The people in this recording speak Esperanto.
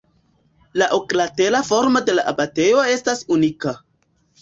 La oklatera formo de la abatejo estas unika.